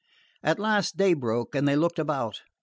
At last day broke, and they looked about.